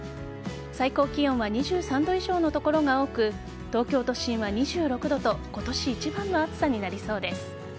最高気温は２３度以上の所が多く東京都心は２６度と今年一番の暑さになりそうです。